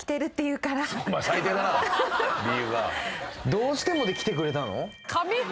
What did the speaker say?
どうしてもで来てくれたの？